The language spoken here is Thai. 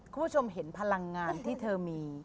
คุณผู้ชมเห็นพลังงานที่เธอมี